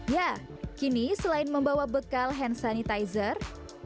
ya kini selain membawa bekal hand sanitizer